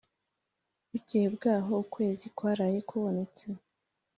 Bukeye bwaho ukwezi kwaraye kubonetse